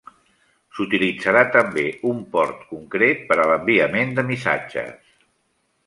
S'utilitzarà també un port concret per a l'enviament de missatges.